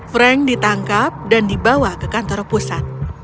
frank ditangkap dan dibawa ke kantor pusat